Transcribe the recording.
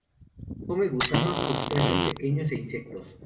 Come gusanos, crustáceos pequeños e insectos.